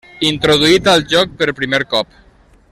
Introduït al joc per primer cop: